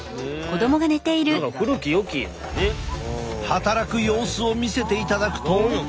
働く様子を見せていただくと。